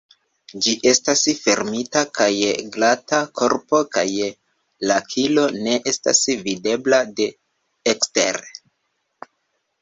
Ĝi estas fermita kaj glata korpo kaj la kilo ne estas videbla de ekstere.